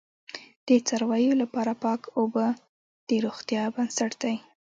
د څارویو لپاره پاک اوبه د روغتیا بنسټ دی.